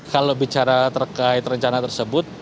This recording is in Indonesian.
kalau bicara terkait rencana tersebut